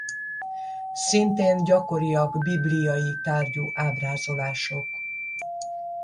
Szintén gyakoriak bibliai tárgyú ábrázolások.